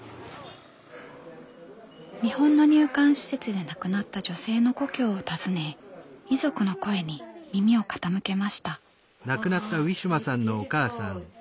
日本の入管施設で亡くなった女性の故郷を訪ね遺族の声に耳を傾けました。